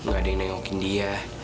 gak ada yang nengokin dia